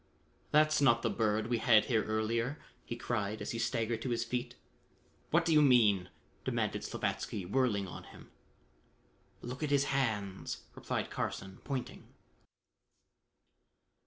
"That's not the Bird we had here earlier," he cried as he staggered to his feet. "What do you mean?" demanded Slavatsky whirling on him. "Look at his hands!" replied Carson pointing.